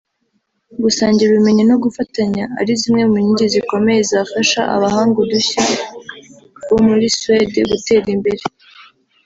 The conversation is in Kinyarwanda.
gusangira ubumenyi no gufatanya ari zimwe mu nkingi zikomeye zafashije abahanga udushya bo muri Suwede gutera imbere